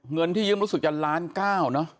เงินที่ยืมรู้สึกจะล้านเก้าเนอะ